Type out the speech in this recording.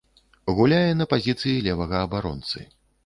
Гуляе на пазіцыі левага абаронцы.